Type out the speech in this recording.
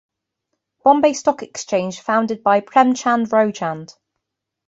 Bombay Stock Exchange founded by Premchand Roychand.